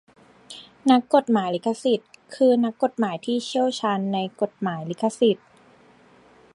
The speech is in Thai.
นักกฎหมายลิขสิทธิ์ คือนักกฎหมายที่เชี่ยวชาญในกฎหมายลิขสิทธิ์